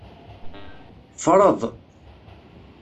Freḍ.